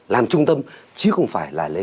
làm trung tâm chứ không phải là lấy